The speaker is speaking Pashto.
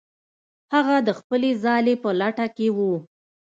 هغه د خپلې ځالې په لټه کې و.